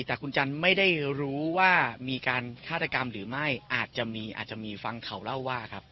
แต่คุณจันทร์ไม่ได้รู้ว่ามีการฆาตกรรมหรือไม่อาจจะมีอาจจะมีฟังเขาเล่าว่าครับ